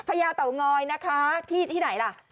ญาเตางอยนะคะที่ไหนล่ะ